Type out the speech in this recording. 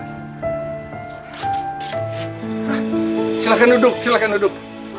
silakan duduk silakan duduk